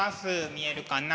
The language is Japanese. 見えるかな？